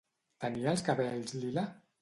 Tenia els cabells lila?